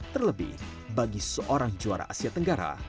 terlebih bagi seorang juara asia tenggara